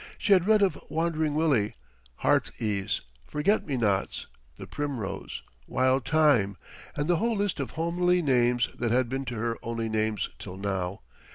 She had read of Wandering Willie, Heartsease, Forget me nots, the Primrose, Wild Thyme, and the whole list of homely names that had been to her only names till now.